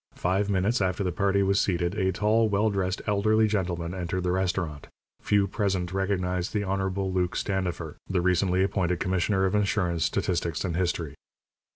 Five minutes after the party was seated a tall, well dressed, elderly gentleman entered the restaurant. Few present recognized the Honourable Luke Standifer, the recently appointed Commissioner of Insurance, Statistics, and History.